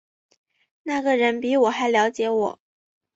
那个人比我还瞭解我